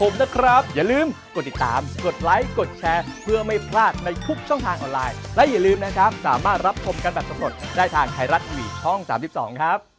สวัสดีครับสวัสดีครับสวัสดีครับ